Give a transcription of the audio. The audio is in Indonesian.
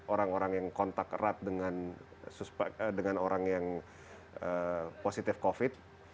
orang orang yang kontak erat dengan orang yang positif covid